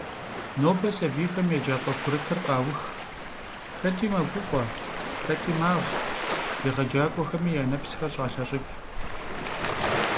Нобэ сэбийхэм еджапӏэ курытыр къаух - хэти мэгуфӏэ, хэти магъ, егъэджакӏуэхэми я нэпсхэр щӏалъэщӏыкӏ.